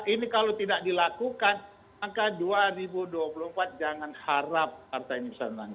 ini kalau tidak dilakukan maka dua ribu dua puluh empat jangan harap partai ini bisa menang